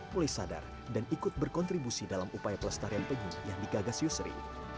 mulai sadar dan ikut berkontribusi dalam upaya pelestarian penyu yang digagas yusri